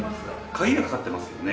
鍵がかかってますよね。